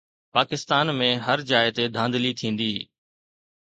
پاڪستان ۾ هر جاءِ تي ڌانڌلي ٿيندي